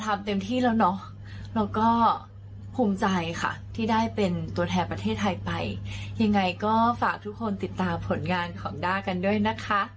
ไม่ใช่แค่ด้าภูมิใจพวกเราก็ภูมิใจเหมือนกันนะ